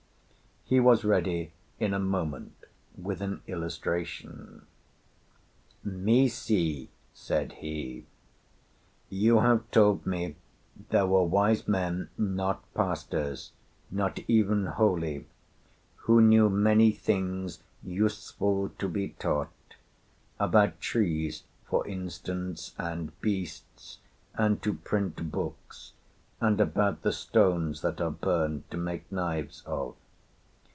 He was ready in a moment with an illustration. 'Misi,' said he, 'you have told me there were wise men, not pastors, not even holy, who knew many things useful to be taught—about trees for instance, and beasts, and to print books, and about the stones that are burned to make knives of.